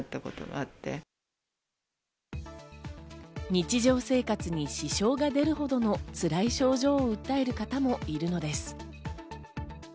日常生活に支障が出るほどのつらい症状を訴える方もいるのです。